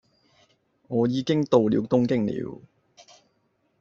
我已經到了東京了，